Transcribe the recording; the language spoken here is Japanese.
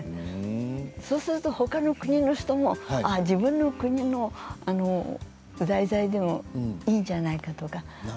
そうするとほかの国の人も自分の国の題材でもいいんじゃないかとか。